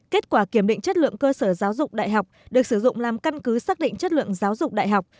kết quả kiểm định chất lượng cơ sở giáo dục đại học được sử dụng làm căn cứ xác định chất lượng giáo dục đại học